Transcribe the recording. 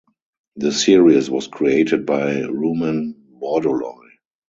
The series was created by Ruman Bordoloi.